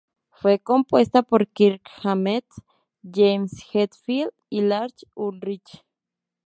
Fue compuesta por Kirk Hammett, James Hetfield y Lars Ulrich.